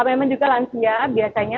memang juga lansia biasanya